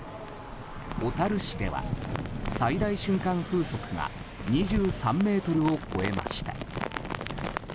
小樽市では最大瞬間風速が２３メートルを超えました。